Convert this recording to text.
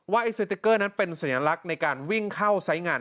ไอ้สติ๊กเกอร์นั้นเป็นสัญลักษณ์ในการวิ่งเข้าไซส์งาน